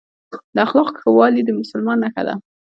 د اخلاقو ښه والي د مسلمان نښه ده.